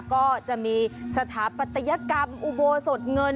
ก็จะมีสถาปัตยกรรมอุโบสถเงิน